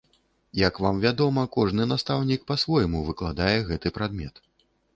Як вам вядома, кожны настаўнік па-свойму выкладае гэты прадмет.